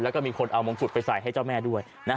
แล้วก็มีคนเอามงกุฎไปใส่ให้เจ้าแม่ด้วย